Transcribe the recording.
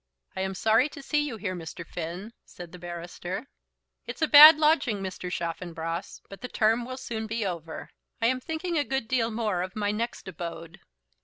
"I am sorry to see you here, Mr. Finn," said the barrister. "It's a bad lodging, Mr. Chaffanbrass, but the term will soon be over. I am thinking a good deal more of my next abode."